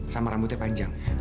sama rambutnya panjang